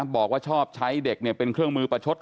บอกว่าชอบใช้เด็กเป็นเครื่องมือประชด